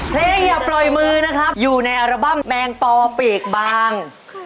อย่าปล่อยมือนะครับอยู่ในอัลบั้มแปลงปอปีกบาง